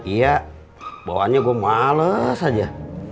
iya bauannya gua males aja